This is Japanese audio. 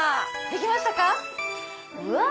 できましたか⁉うわ！